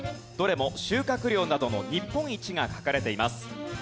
どれも収穫量などの日本一が書かれています。